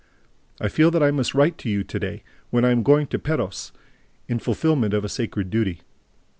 I feel that I must write to you to day, when I am going to Perros, in fulfilment of a sacred duty.